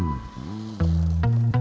gak ada apa apa